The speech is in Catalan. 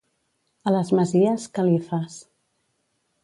A les Masies, califes.